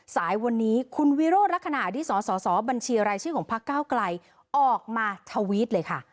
สายวันนี้คุณวิโรธลักษณะที่สสบัญชีรายชื่อของพักเก้าไกลออกมาทวิตเลยค่ะ